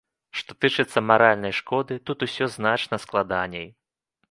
Што тычыцца маральнай шкоды, тут ўсё значна складаней.